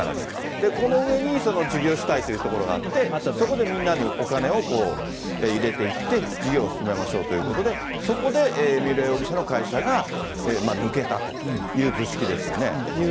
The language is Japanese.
この上に事業主体というところがあって、そこでみんなにお金を入れていって、事業を進めましょうということで、そこで三浦容疑者の会社が抜けたという図式ですよね。